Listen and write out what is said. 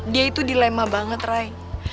dia itu dilema banget ray